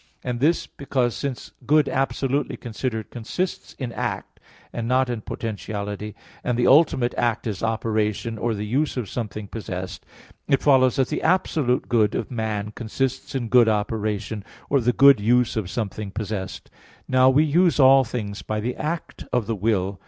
And this because, since good absolutely considered consists in act, and not in potentiality, and the ultimate act is operation, or the use of something possessed, it follows that the absolute good of man consists in good operation, or the good use of something possessed. Now we use all things by the act of the will.